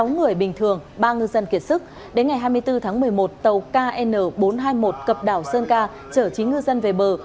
sáu người bình thường ba ngư dân kiệt sức đến ngày hai mươi bốn tháng một mươi một tàu kn bốn trăm hai mươi một cập đảo sơn ca chở chín ngư dân về bờ